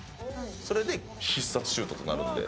それで必殺シュートとなるんで。